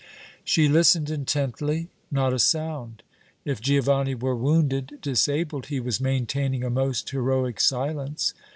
She listened intently. Not a sound. If Giovanni were wounded, disabled, he was maintaining a most heroic silence.